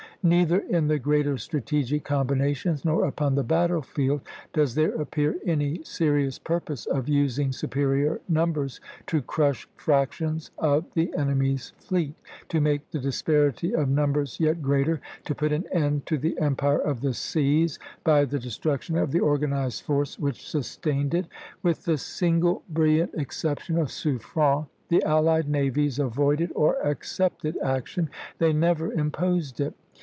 Neither in the greater strategic combinations, nor upon the battlefield, does there appear any serious purpose of using superior numbers to crush fractions of the enemy's fleet, to make the disparity of numbers yet greater, to put an end to the empire of the seas by the destruction of the organized force which sustained it. With the single brilliant exception of Suffren, the allied navies avoided or accepted action; they never imposed it.